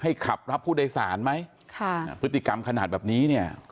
ให้ขับรับผู้ใดสารไหมคะค่ะพฤติกรรมขนาดแบบนี้เนี่ยขูลแบบนี้